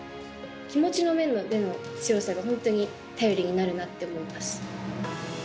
気持ちの面での強さが本当に頼りになるなって思います。